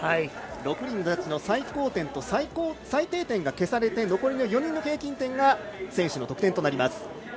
６人のジャッジの最高点と最低点が消されて残りの４人の平均点が選手の得点となります。